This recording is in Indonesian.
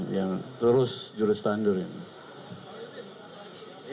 yang terus jurus tandur ini